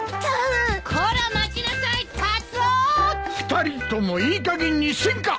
２人ともいいかげんにせんか！